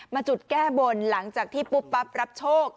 จุดแก้บนหลังจากที่ปุ๊บปั๊บรับโชค